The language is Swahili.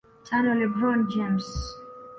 Tano LeBron James